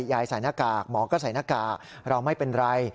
ใส่หน้ากากหมอก็ใส่หน้ากากเราไม่เป็นไร